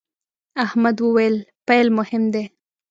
احمد وويل: پیل مهم دی.